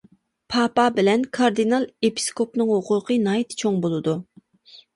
پاپا بىلەن كاردىنال ئېپىسكوپنىڭ ھوقۇقى ناھايىتى چوڭ بولىدۇ.